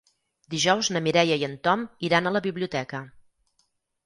Dijous na Mireia i en Tom iran a la biblioteca.